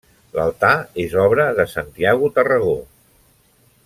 L'altar és obra de Santiago Tarragó.